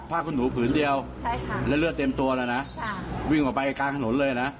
ผ้าขนหนูผืนเดียวใช่ค่ะแล้วเลือดเต็มตัวแล้วนะวิ่งออกไปกลางถนนเลยนะ